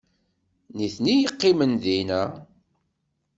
D nitni i yeqqimen dinna